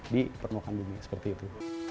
di permukaan dunia seperti itu